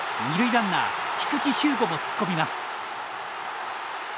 ランナー菊地彪吾も突っ込みます。